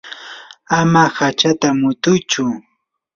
ama hachata mutuychu.